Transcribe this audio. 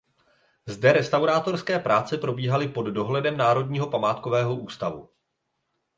Zde restaurátorské práce probíhaly pod dohledem Národního památkového ústavu.